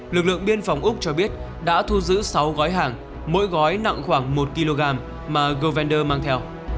lực lượng biên phòng úc cho biết đã thu giữ sáu gói hàng mỗi gói nặng khoảng một kg mà govender mang theo